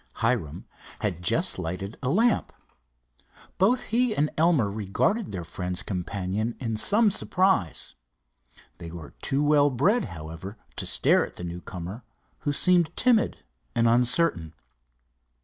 Hiram had just lighted a lamp. Both he and Elmer regarded their friend's companion in some surprise. They were too well bred, however, to stare at the newcomer, who seemed timid and uncertain.